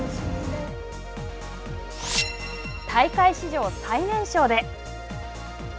大会史上最年少で！